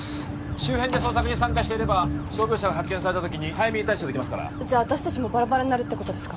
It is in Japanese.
周辺で捜索に参加していれば傷病者が発見された時に早めに対処できますから私達もバラバラになるってことですか